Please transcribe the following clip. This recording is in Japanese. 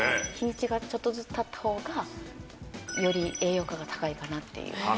日にちがちょっとずつたったほうがより栄養価が高いかなっていう。